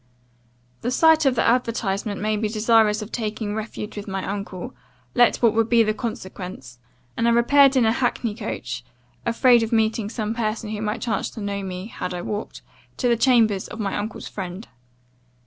"The sight of the advertisement made me desirous of taking refuge with my uncle, let what would be the consequence; and I repaired in a hackney coach (afraid of meeting some person who might chance to know me, had I walked) to the chambers of my uncle's friend.